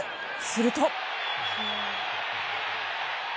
すると。